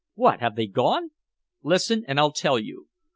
"What, have they gone?" "Listen, and I'll tell you.